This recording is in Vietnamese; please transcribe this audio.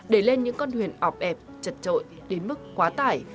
để lên những con thuyền ọc ẹp chật trội đến mức quá tải